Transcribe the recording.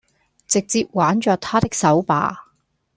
直接挽著他的手吧